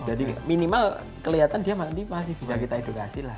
jadi minimal kelihatan dia masih bisa kita edukasi lah